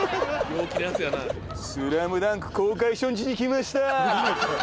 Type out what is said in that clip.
「スラムダンク公開初日に来ましたぁ！」。